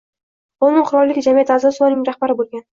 London Qirollik jamiyati a`zosi va uning rahbari bo`lgan